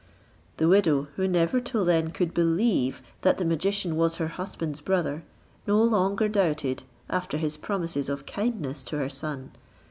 The widow, who never till then could believe that the magician was her husband's brother, no longer doubted after his promises of kindness to her son.